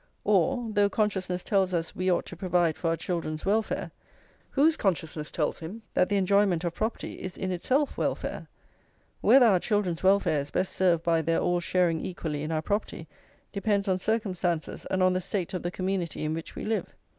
or, though consciousness tells us we ought to provide for our children's welfare, whose consciousness tells him that the enjoyment of property is in itself welfare? Whether our children's welfare is best served by their all sharing equally in our property depends on circumstances and on the state of the community in which we live.